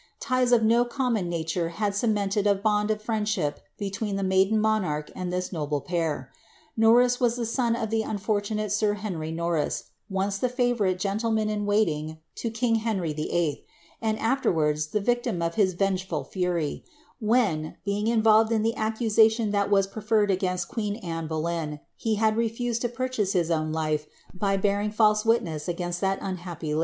Ties of no common nature had cemented a bond of friendship between the maiden monarch and this noble pair. Nonifl wtm the son of the unfortunate sir Henry Norris, once the fa* voarite gentleman in waiting to king Henry VIIL, and afterwards the vietim or* his vengeful fury, when, being involved in the accusation that was preferred against queen Anne Boleyn, he had refused to purchase hk own life by bearing false witness against that unhappy lady.